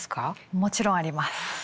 もちろんあります。